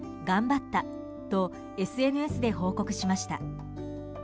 頑張ったとＳＮＳで報告しました。